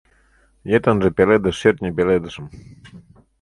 Йытынже пеледе шӧртньӧ пеледышым.